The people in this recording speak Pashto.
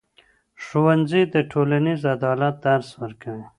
ښوونځی د ټولنیز عدالت درس ورکوي.